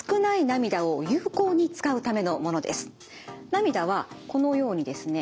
涙はこのようにですね